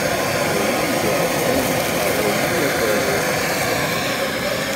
Ayen i d-iɛeddan deg uqerruy-iw ad t-aruɣ.